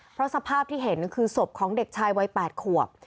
เพราะสภาพที่เห็นคือศพของเด็กชายวัย๘ขวบ